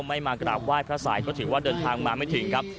มากราบไหว้พระสายก็ถือว่าเดินทางมาไม่ถึงครับ